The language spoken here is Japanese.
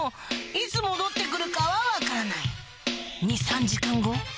いつ戻って来るかは分からない２３時間後？